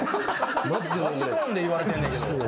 ガチトーンで言われてんねんけど。